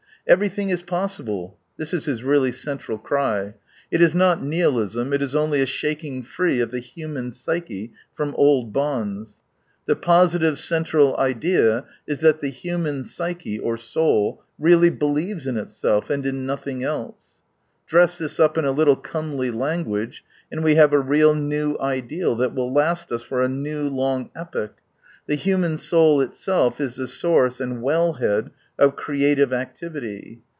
" Everything is possible "■— this is his really central cry. It is not nihilism. It is only a shaking free of the human psyche from old bonds. The positive central idea is that the human psyche, or soul, really believes in itself, and in nothing else. Dress this up in a little comely language, and we have a real new ideal, that will, last us for a new, long epoch. The human soul itself is the source and well head of creative activity.